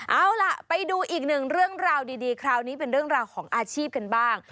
เอาล่ะไปดูอีกหนึ่งเรื่องราวดีคราวนี้เป็นเรื่องราวของอาชีพกันบ้าง